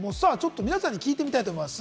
皆さんに聞いてみたいと思います。